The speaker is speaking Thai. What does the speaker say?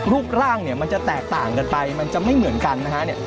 รูปร่างเนี่ยมันจะแตกต่างกันไปมันจะไม่เหมือนกันนะฮะเนี่ย